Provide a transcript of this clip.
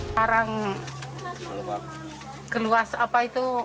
sekarang geluas apa itu